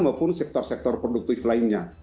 maupun sektor sektor produktif lainnya